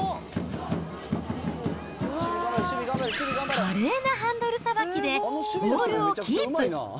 華麗なハンドルさばきで、ボールをキープ。